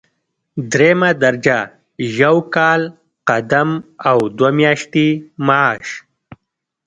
دریمه درجه یو کال قدم او دوه میاشتې معاش.